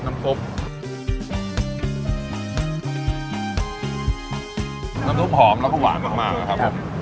น้ำซุปหอมแล้วก็หวานมากนะครับลูกครับ